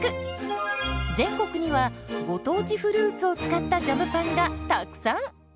全国にはご当地フルーツを使ったジャムパンがたくさん！